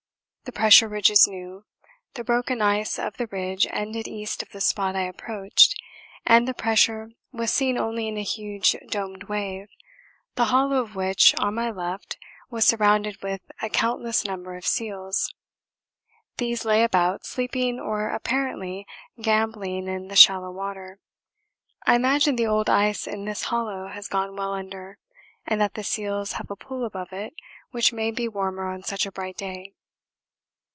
The pressure ridge is new. The broken ice of the ridge ended east of the spot I approached and the pressure was seen only in a huge domed wave, the hollow of which on my left was surrounded with a countless number of seals these lay about sleeping or apparently gambolling in the shallow water. I imagine the old ice in this hollow has gone well under and that the seals have a pool above it which may be warmer on such a bright day.